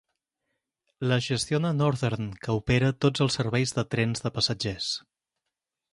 La gestiona Northern, que opera tots els serveis de trens de passatgers.